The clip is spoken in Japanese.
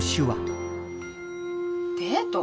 デート！？